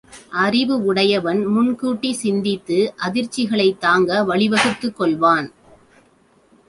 அறிவுடையவன் முன்கூட்டிச் சிந்தித்து அதிர்ச்சிகளைத் தாங்க வழிவகுத்துக் கொள்வான்.